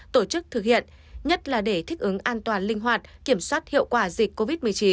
tổ chức thực hiện nhất là để thích ứng an toàn linh hoạt kiểm soát hiệu quả dịch covid một mươi chín